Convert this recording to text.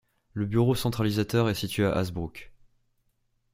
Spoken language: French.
Le bureau centralisateur est situé à Hazebrouck.